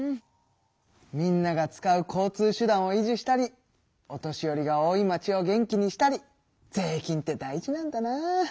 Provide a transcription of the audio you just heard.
みんなが使う交通手段を維持したりお年寄りが多い町を元気にしたり税金って大事なんだな！